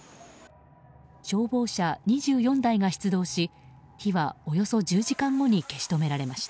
消防車２４台が出動し火は、およそ１０時間後に消し止められました。